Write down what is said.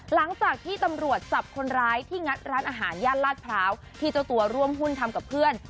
หลังจากที่ตำรวจจับคนร้ายที่งัดร้านอาหารย่านลาดพร้าวที่เจ้าตัวร่วมหุ้นทำกับเพื่อน